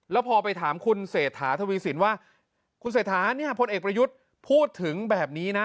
แล้วพอไปถามคุณเศรษฐาทวีสินว่าคุณเศรษฐาเนี่ยพลเอกประยุทธ์พูดถึงแบบนี้นะ